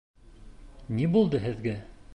Ни булды һеҙгә?